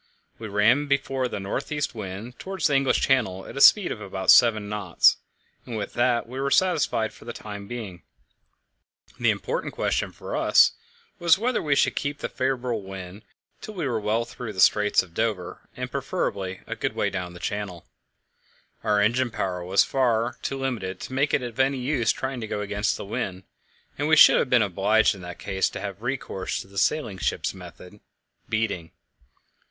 We ran before the north east wind towards the English Channel at a speed of about seven knots, and with that we were satisfied for the time being. The important question for us was whether we should keep the favourable wind till we were well through the Straits of Dover, and, preferably, a good way down Channel. Our engine power was far too limited to make it of any use trying to go against the wind, and we should have been obliged in that case to have recourse to the sailing ship's method beating.